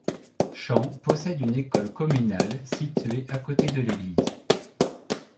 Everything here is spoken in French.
Champs possède une école communale située à côté de l'église.